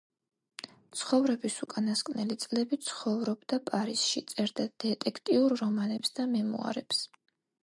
ცხოვრების უკანასკნელი წლები ცხოვრობდა პარიზში, წერდა დეტექტიურ რომანებს და მემუარებს.